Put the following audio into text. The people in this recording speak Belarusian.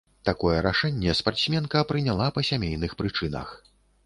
Такое рашэнне спартсменка прыняла па сямейных прычынах.